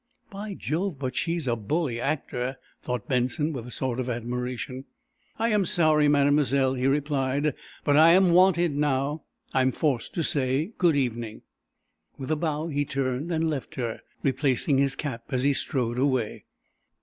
"By jove, but she's a bully actor," thought Benson, with a sort of admiration. "I am sorry, Mademoiselle," he replied, "But I am wanted now. I am forced to say 'good evening.'" With a bow he turned and left her, replacing his cap as he strode away.